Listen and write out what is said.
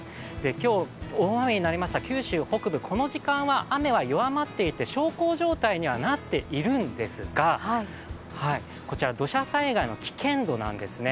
今日、大雨になりました九州北部、この時間は雨は弱まっていて、小康状態にはなっているんですが、こちら土砂災害の危険度なんですね。